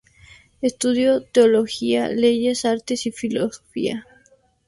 Estudió Teología, Leyes, Artes y Filosofía.